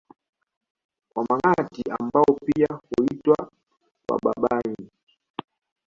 Wamangati ambao pia huitwa Wabarbaig